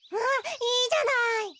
あっいいじゃない。